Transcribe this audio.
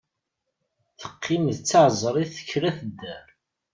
Teqqim d taεeẓrit kra tedder.